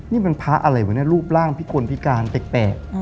นี่มันพาอะไรไว้เนี่ยรูปร่างพิกลพิการแตก